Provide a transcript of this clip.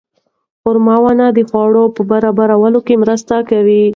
خورما ونې د خواړو په برابرولو کې مرسته کوي.